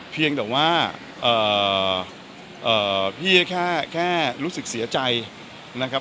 เพียงแต่ว่าพี่ก็แค่รู้สึกเสียใจนะครับ